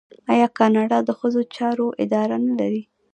آیا کاناډا د ښځو چارو اداره نلري؟